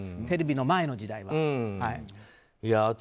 テレビの前の時代は。